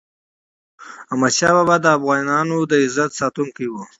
احمد شاه بابا د افغانانو د عزت ساتونکی و.